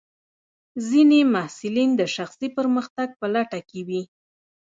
ځینې محصلین د شخصي پرمختګ په لټه کې وي.